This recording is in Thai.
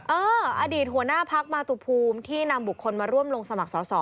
อดีตหัวหน้าพักมาตุภูมิที่นำบุคคลมาร่วมลงสมัครสอสอ